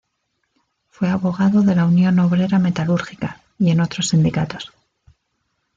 Fue abogado de la Unión Obrera Metalúrgica y en otros sindicatos.